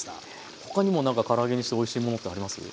他にもなんかから揚げにしておいしいものってあります？